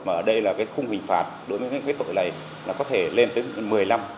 mà ở đây là cái khung hình phạt đối với cái tội này là có thể lên tới